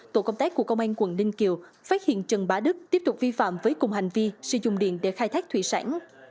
tổ công tác của công an quận ninh kiều phát hiện trần bá đức tiếp tục vi phạm với cùng hành vi sử dụng điện để khai thác thủy sản